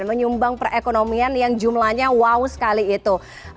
menyumbang perekonomian yang jumlahnya wow sekali itu